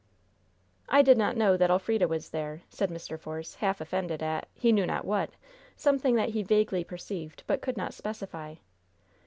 "I did not know that Elfrida was there," said Mr. Force, half offended at he knew not what! something that he vaguely perceived, but could not specify.